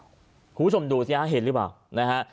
คุณผู้ชมดูสิฮะเห็นหรือเปล่านะฮะ